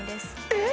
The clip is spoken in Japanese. え。